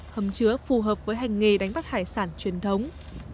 hầm chứa phù hợp với hành nghề đánh bắt hải sản truyền thống